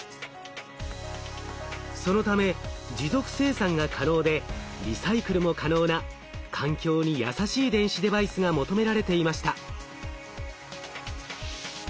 そのため持続生産が可能でリサイクルも可能な環境に優しい電子デバイスが求められていました。